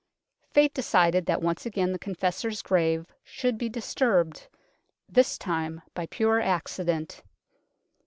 Fate decided that once again the Confessor's grave should be disturbed, this time by pure accident.